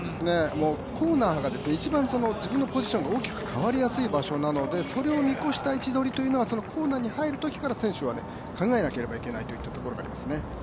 コーナーが一番、自分のポジションが大きく変わりやすい場所なのでそれを見越した位置取りというのはコーナーに入るときから選手は考えなければいけないといったところからですね。